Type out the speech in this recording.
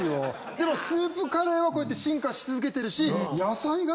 でもスープカレーはこうやって進化し続けてるし。